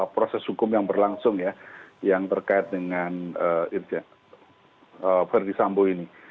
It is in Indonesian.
proses hukum yang berlangsung ya yang terkait dengan irjen verdi sambo ini